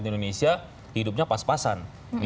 di indonesia hidupnya pas pasan